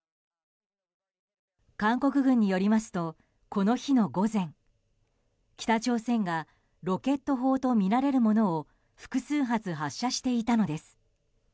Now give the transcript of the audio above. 韓国軍によりますとこの日の午前北朝鮮がロケット砲とみられるものを複数発、発射していたのです。